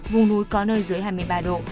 vùng núi có nơi dưới hai mươi ba độ